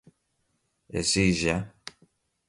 exija